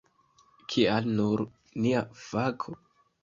Kial nur nia fako?